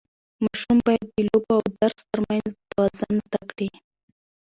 ماشوم باید د لوبو او درس ترمنځ توازن زده کړي.